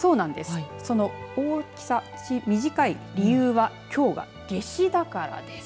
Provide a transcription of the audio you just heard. その大きさ、短い理由はきょうは、夏至だからです。